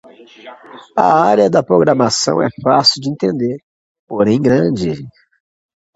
A área da programação é fácil de entender, porém grande.